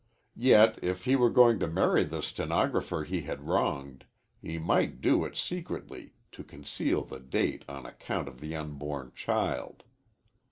Yet if he were going to marry the stenographer he had wronged, he might do it secretly to conceal the date on account of the unborn child.